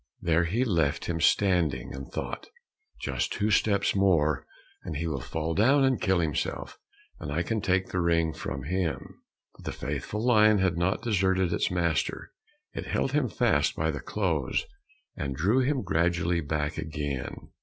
There he left him standing, and thought, "Just two steps more, and he will fall down and kill himself, and I can take the ring from him." But the faithful lion had not deserted its master; it held him fast by the clothes, and drew him gradually back again.